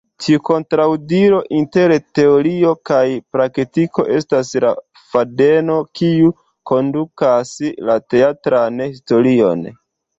Tiu kontraŭdiro inter teorio kaj praktiko estas la fadeno kiu kondukas la teatran historion.